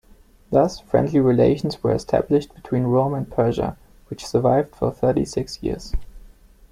Thus friendly relations were established between Rome and Persia which survived for thirty-six years.